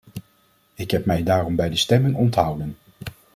Ik heb mij daarom bij de stemming onthouden.